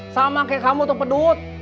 sama kayak kamu atau pedut